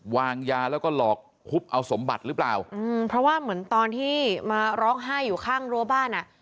วางยาแล้วก็หลอกฮุบเอาสมบัติหรือเปล่าอืมเพราะว่าเหมือนตอนที่มาร้องไห้อยู่ข้างรั้วบ้านอ่ะ